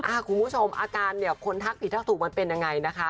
คุณผู้ชมอาการเนี่ยคนทักผิดทักถูกมันเป็นยังไงนะคะ